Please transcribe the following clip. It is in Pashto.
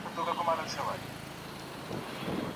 ولاړم د زلمیو شپو له ټاله څخه ولوېدم